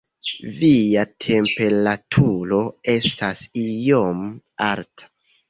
Via temperaturo estas iom alta.